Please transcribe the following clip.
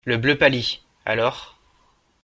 Le bleu pâlit… alors…